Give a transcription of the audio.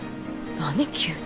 何急に。